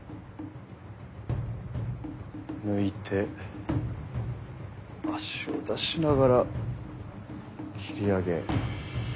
抜いて足を出しながら斬り上げ。